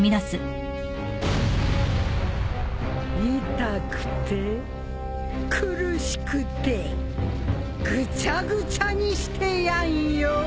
痛くて苦しくてグチャグチャにしてやんよ。